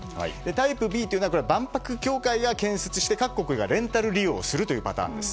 タイプＢというのは万博協会が建設して各国がレンタル利用するというパターンです。